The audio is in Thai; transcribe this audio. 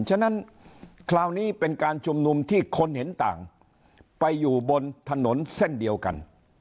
ฉะนั้นคราวนี้เป็นการชุมนุมที่คนเห็นต่างไปอยู่บนถนนเส้นเดียวกัน